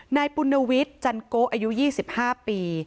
นายบุรณวิชจันโกอายุ๒๕ปี